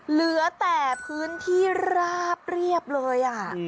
เหลือแต่พื้นที่ราบเรียบเลย